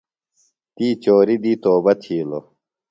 تی چوری دی توبہ تِھیلوۡ۔